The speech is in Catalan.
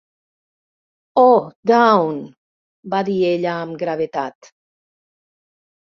"Oh, Dawn", va dir ella amb gravetat.